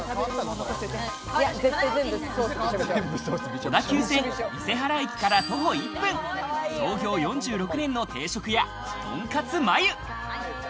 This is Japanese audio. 小田急線・伊勢原駅から徒歩１分、創業４６年の定食屋とんかつ麻釉。